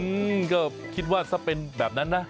อืมก็คิดว่าถ้าเป็นแบบนั้นนะ